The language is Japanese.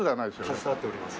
携わっております。